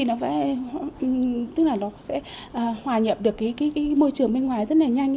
và nó sẽ hòa nhập được môi trường bên ngoài rất là nhanh